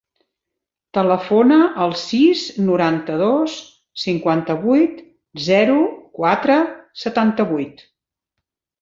Telefona al sis, noranta-dos, cinquanta-vuit, zero, quatre, setanta-vuit.